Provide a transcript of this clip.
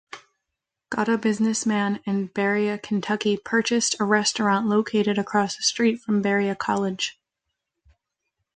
Gott-a businessman in Berea, Kentucky-purchased a restaurant located across a street from Berea College.